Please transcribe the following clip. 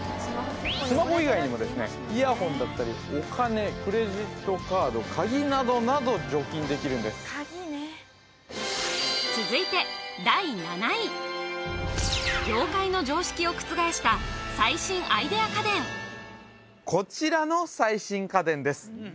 スマホ以外にもですねイヤホンだったりお金クレジットカードカギなどなど除菌できるんです続いてこちらの最新家電です